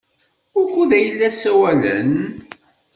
Wukud ay la ssawalen?